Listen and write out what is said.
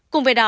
cùng với đó